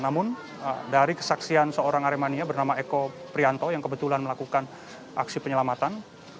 namun dari kesaksian seorang aremania bernama eko prianto yang kebetulan melakukan aksi penyelamatan